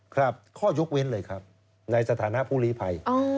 ครับข้อยกเว้นเลยครับในสถานะผู้ลีภัย